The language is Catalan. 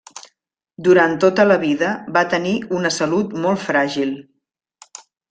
Durant tota la vida va tenir una salut molt fràgil.